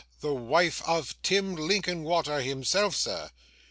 the wife of Tim Linkinwater himself, sir!